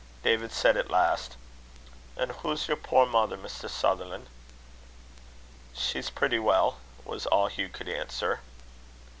David said at last, "An' hoo's yer puir mother, Mr. Sutherlan'?" "She's pretty well," was all Hugh could answer.